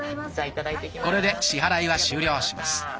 これで支払いは終了します。